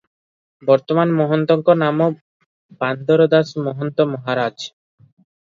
ବର୍ତ୍ତମାନ ମହନ୍ତଙ୍କ ନାମ ବାନ୍ଦର ଦାସ ମହନ୍ତ ମହାରାଜ ।